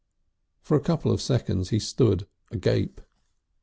For a couple of seconds he stood agape.